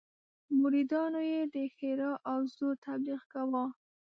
مریدانو یې د ښرا او زور تبليغ کاوه.